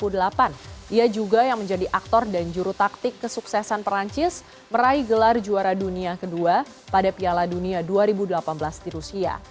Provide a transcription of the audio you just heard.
dia juga yang menjadi aktor dan juru taktik kesuksesan perancis meraih gelar juara dunia kedua pada piala dunia dua ribu delapan belas di rusia